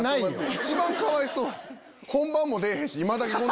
一番かわいそうや！